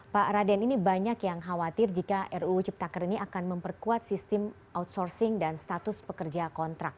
pak raden ini banyak yang khawatir jika ruu ciptaker ini akan memperkuat sistem outsourcing dan status pekerja kontrak